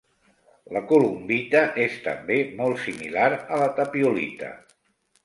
La columbita és també molt similar a la tapiolita.